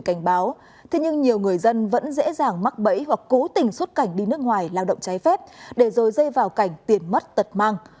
cảnh báo thế nhưng nhiều người dân vẫn dễ dàng mắc bẫy hoặc cố tình xuất cảnh đi nước ngoài lao động trái phép để rồi dây vào cảnh tiền mất tật mang